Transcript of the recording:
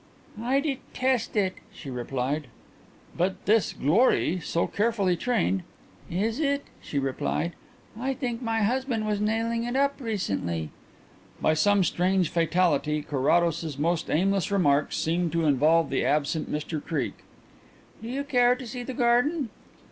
"I detest it," she replied. "But this Glorie, so carefully trained ?" "Is it?" she replied. "I think my husband was nailing it up recently." By some strange fatality Carrados's most aimless remarks seemed to involve the absent Mr Creake. "Do you care to see the garden?"